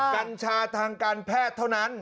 กัญชาทางการแพทย์เท่านั้น